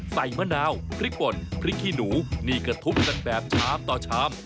มะนาวพริกป่นพริกขี้หนูนี่ก็ทุบกันแบบชามต่อชาม